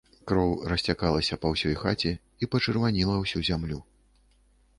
Кроў расцякалася па ўсёй хаце і пачырваніла ўсю зямлю.